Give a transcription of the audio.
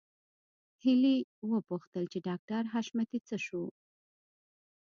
هيلې وپوښتل چې ډاکټر حشمتي څه شو